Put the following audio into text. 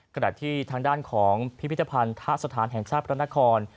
หลังจากทิพี่พิธภัณฑ์ทะสถานแห่งชาติภนคร